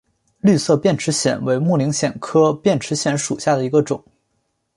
绿色变齿藓为木灵藓科变齿藓属下的一个种。